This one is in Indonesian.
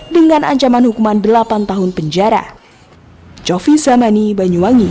dengan ancaman hukuman delapan tahun penjara